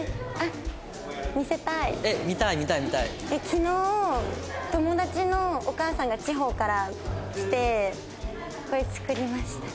昨日友達のお母さんが地方から来てこれ作りました。